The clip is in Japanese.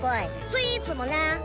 スイーツもな！